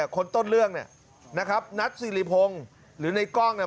คนต้นเรื่องเนี่ยนะครับนัทสิริพงศ์หรือในกล้องเนี่ย